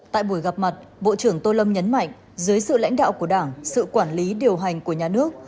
tại buổi gặp mặt bộ trưởng tô lâm nhấn mạnh dưới sự lãnh đạo của đảng sự quản lý điều hành của nhà nước